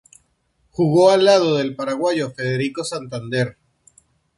Jugó al lado del paraguayo Federico Santander.